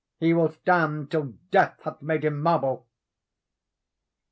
He will stand Till Death hath made him marble!"